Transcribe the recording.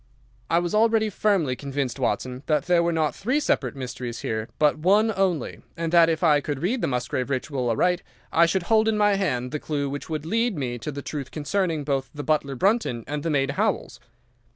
"I was already firmly convinced, Watson, that there were not three separate mysteries here, but one only, and that if I could read the Musgrave Ritual aright I should hold in my hand the clue which would lead me to the truth concerning both the butler Brunton and the maid Howells.